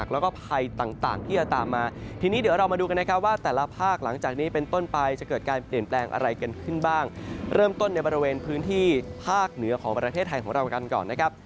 เริ่มต้นนี่บริเวณพื้นที่ภาคเหนือของประเทศไทยของเรากันก่อนนะครับ